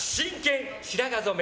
真剣白髪染め！